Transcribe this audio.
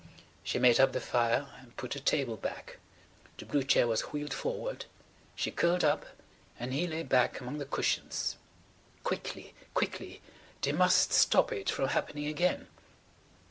She made up the fire and put the table back, the blue chair was wheeled forward, she curled up and he lay back among the cushions. Quickly! Quickly! They must stop it from happening again.